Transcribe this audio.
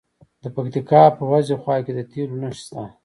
د پکتیکا په وازیخوا کې د تیلو نښې شته.